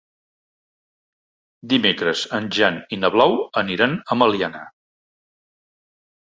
Dimecres en Jan i na Blau aniran a Meliana.